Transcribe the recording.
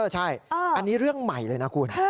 ใช่อันนี้เรื่องใหม่เลยนะคุณ